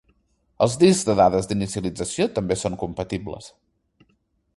Els discs de dades d'inicialització també són compatibles.